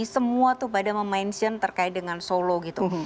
semua tuh pada memention terkait dengan solo gitu